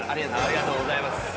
ありがとうございます。